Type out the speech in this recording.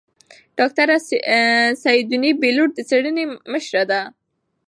ډاکتره سیدوني بېلوت د څېړنې مشره ده.